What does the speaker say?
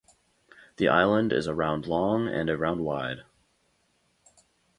The island is around long and around wide.